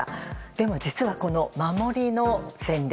でも実は、この守りの戦略